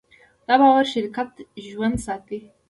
دا باور شرکت ژوندی ساتي.